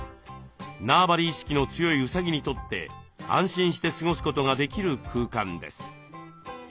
縄張り意識の強いうさぎにとって安心して過ごすことができる空間です。